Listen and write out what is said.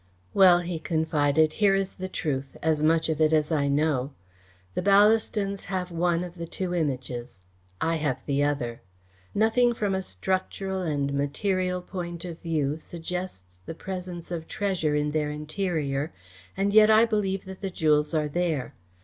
"Well," he confided, "here is the truth as much of it as I know. The Ballastons have one of the two Images. I have the other. Nothing from a structural and material point of view suggests the presence of treasure in their interior, and yet I believe that the jewels are there.